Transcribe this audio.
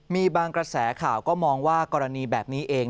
มีบางกระแสข่าวก็มองว่ากรณีแบบนี้เอง